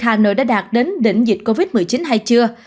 hà nội đã đạt đến đỉnh dịch covid một mươi chín hay chưa